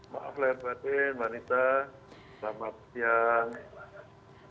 maaf lahir batin wanita selamat siang